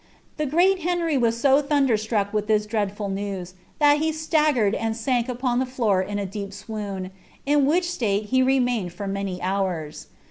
The ^real Henry was so lliumlera truck with lliis Jwtd ful news, ihul he sia|;gered and »ank upon the floor iii a deep swn»n, in which Elate he remained fur many hours.